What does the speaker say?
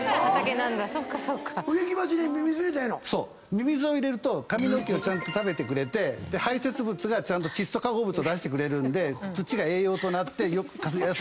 ミミズを入れると髪の毛をちゃんと食べてくれて排泄物が窒素化合物を出してくれるんで土が栄養となって野菜がよく育つ。